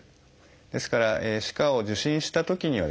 ですから歯科を受診したときにはですね